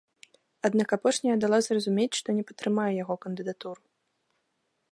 Аднак апошняя дала зразумець, што не падтрымае яго кандыдатуру.